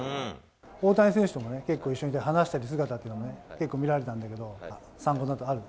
大谷選手ともね、結構一緒に話している姿っていうのも結構見られたんだけど、参考になったことある？